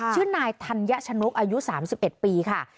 ชื่อนายธัญชนกอายุ๓๑ปีค่ะ